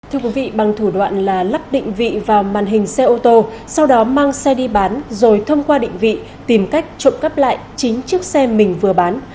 thưa quý vị bằng thủ đoạn là lắp định vị vào màn hình xe ô tô sau đó mang xe đi bán rồi thông qua định vị tìm cách trộm cắp lại chính chiếc xe mình vừa bán